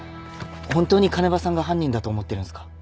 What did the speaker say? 本当に鐘場さんが犯人だと思ってるんすか？